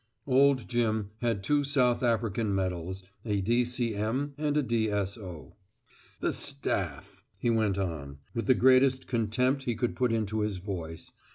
Old Jim had two South African medals, a D.C.M. and a D.S.O. "The Staff," he went on, with the greatest contempt he could put into his voice.